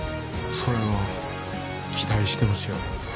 それは期待してますよ